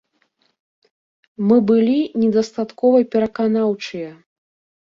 Мы былі недастаткова пераканаўчыя.